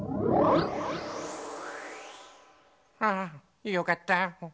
あよかった。